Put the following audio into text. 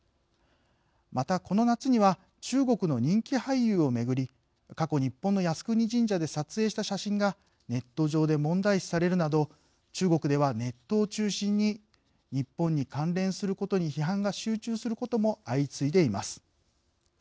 またこの夏には中国の人気俳優をめぐり過去日本の靖国神社で撮影した写真がネット上で問題視されるなど中国ではネットを中心に日本に関連することに批判が集中することも相次いでいます。